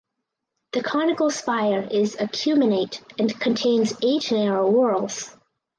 The conical spire is acuminate and contains eight narrow whorls.